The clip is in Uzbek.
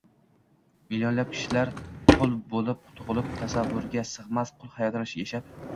millionlab kishilar qul bo’lib tug’ilib, tasavvurga sig’mas qul hayotini yashab